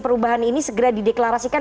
perubahan ini segera dideklarasikan